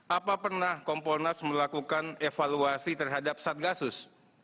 apa pernah kumpul nas melakukan evaluasi terhadap satgasus